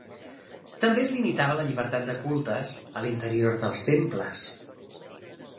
També es limitava la llibertat de cultes a l'interior dels temples.